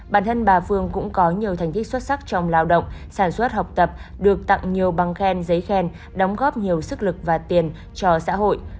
bản thân bà phương cũng có nhiều thành tích xuất sắc trong lao động sản xuất học tập được tặng nhiều băng khen giấy khen đóng góp nhiều sức lực và tiền cho xã hội